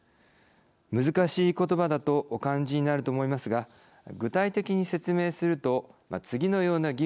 難しいことばだとお感じになると思いますが具体的に説明すると次のような義務を果たすことです。